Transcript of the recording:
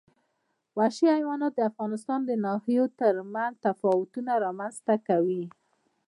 وحشي حیوانات د افغانستان د ناحیو ترمنځ تفاوتونه رامنځ ته کوي.